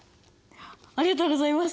ありがとうございます！